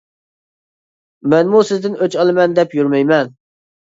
مەنمۇ سىزدىن ئۆچ ئالىمەن دەپ يۈرمەيمەن.